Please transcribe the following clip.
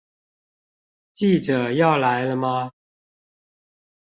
記者要來了嗎